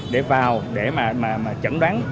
để vào để chẩn đoán